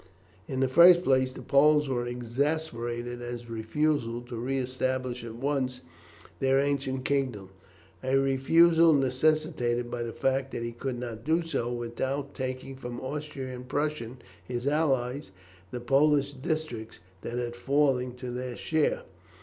In the first place, the Poles were exasperated at his refusal to re establish at once their ancient kingdom, a refusal necessitated by the fact that he could not do so without taking from Austria and Prussia, his allies, the Polish districts that had fallen to their share.